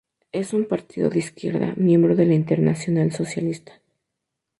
Es un partido de izquierda, miembro de la Internacional Socialista.